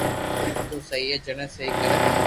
ايم تو سھي ھي جڻي سھي ڪري